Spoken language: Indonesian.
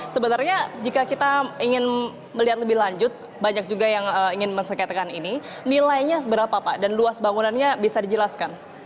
sebenarnya jika kita ingin melihat lebih lanjut banyak juga yang ingin mensengketakan ini nilainya seberapa pak dan luas bangunannya bisa dijelaskan